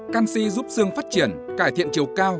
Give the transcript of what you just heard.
canxi giúp xương phát triển cải thiện chiều cao